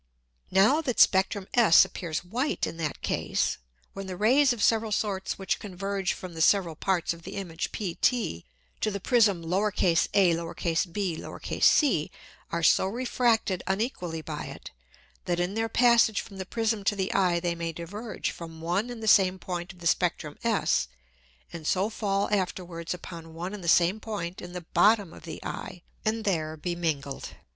Now that Spectrum S appears white in that Case, when the Rays of several sorts which converge from the several Parts of the Image PT, to the Prism abc, are so refracted unequally by it, that in their Passage from the Prism to the Eye they may diverge from one and the same Point of the Spectrum S, and so fall afterwards upon one and the same Point in the bottom of the Eye, and there be mingled.